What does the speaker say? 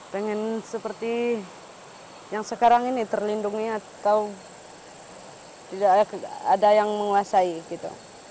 pengen seperti yang sekarang ini terlindungi atau tidak ada yang menguasai gitu